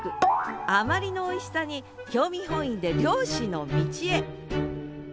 あまりのおいしさに興味本位で猟師の道へ。